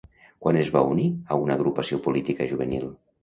Quan es va unir a una agrupació política juvenil?